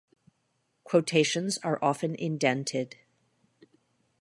Quotations are often indented.